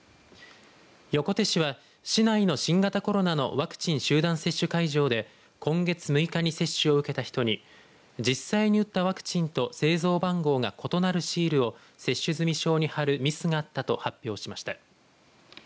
横手市は、市内の新型コロナのワクチン集団接種会場で今月６日に接種を受けた人に実際に打ったワクチンと製造番号が異なるシールを接種済証に貼るミスがあったと発表しました。